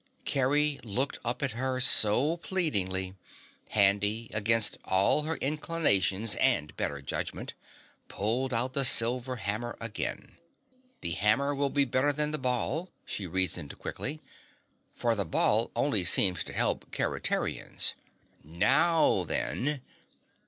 Kerry looked up at her so pleadingly, Handy, against all her inclinations and better judgment, pulled out the silver hammer again. "The hammer will be better than the ball," she reasoned quickly, "for the ball only seems to help Keretarians. Now then!"